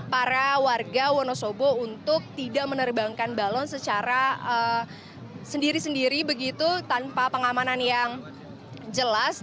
para warga wonosobo untuk tidak menerbangkan balon secara sendiri sendiri begitu tanpa pengamanan yang jelas